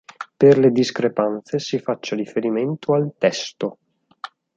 Per le discrepanze si faccia riferimento al testo.